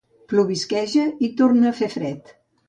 Plovisqueja i torna a fer fred